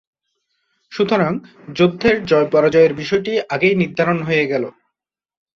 সুতরাং যুদ্ধের জয়-পরাজয়ের বিষয়টি আগেই নির্ধারণ হয়ে গেল।